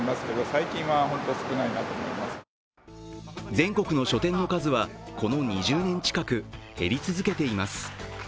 全国の書店の数はこの２０年近く減り続けています。